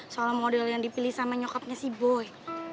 soal model yang dipilih sama nyokapnya si boy